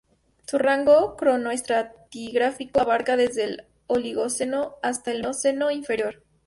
Su rango cronoestratigráfico abarca desde el Oligoceno hasta el Mioceno inferior.